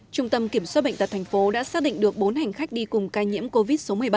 trung tâm kiểm soát bệnh tật thành phố đã xác định được bốn hành khách đi cùng ca nhiễm covid một mươi bảy